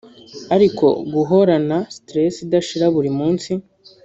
ariko guhorana stress idashira buri munsi